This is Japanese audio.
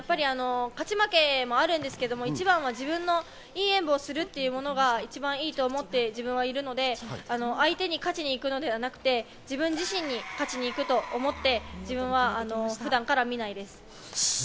勝ち負けもあるんですけど、一番は自分のいい演武をするというものが一番いいと思って、自分はいるので、相手に勝ちにいくのではなくて、自分自身に勝ちに行くと思って、自分は普段から見ないです。